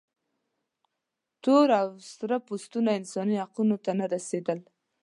تور او سره پوستو انساني حقونو ته نه رسېدله.